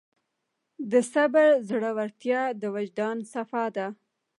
د صبر زړورتیا د وجدان صفا ده.